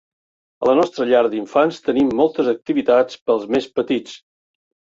A la nostra llar d'infants tenim moltes activitats pels més petits.